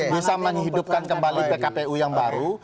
bisa menghidupkan kembali pkpu yang baru